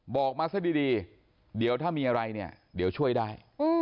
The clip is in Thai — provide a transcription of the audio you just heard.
บอกมาซะดีเดี๋ยวถ้ามีอะไรเนี่ยเดี๋ยวช่วยได้